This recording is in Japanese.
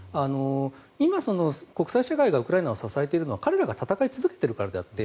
今、国際社会がウクライナを支えているのは彼らが戦い続けているからであって。